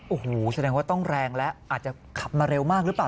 โอ้โหแสดงว่าต้องแรงแล้วอาจจะขับมาเร็วมากหรือเปล่า